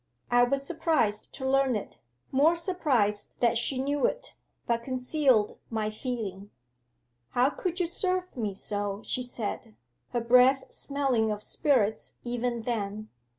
I was surprised to learn it more surprised that she knew it, but concealed my feeling. '"How could you serve me so?" she said, her breath smelling of spirits even then.